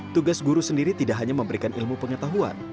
tugas guru sendiri tidak hanya memberikan ilmu pengetahuan